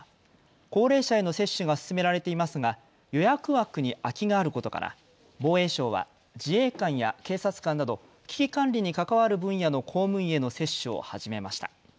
高齢者への接種が進められていますが予約枠に空きがあることから防衛省は自衛官や警察官など危機管理に関わる分野の公務員への接種を始めました。